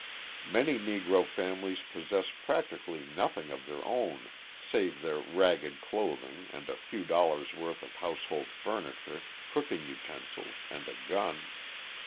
Many Negro families possess practically nothing of their own, save their ragged clothing, and a few dollars' worth of household furniture, cooking utensils and a gun.